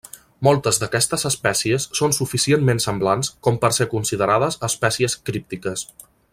Moltes d'aquestes espècies són suficientment semblants com per ser considerades espècies críptiques.